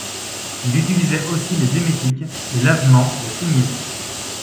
Il utilisait aussi les émétiques, les lavements, la saignée.